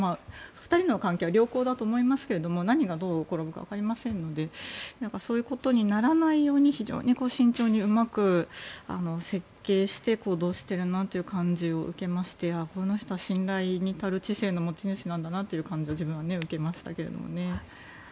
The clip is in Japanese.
２人の関係は良好だと思いますが何がどう転ぶかわかりませんのでそういうことにならないように非常に慎重に、うまく設計して行動しているなという感じを受けましてこの人は信頼に足る知性の持ち主なんだなという感じを自分は受けましたけどね。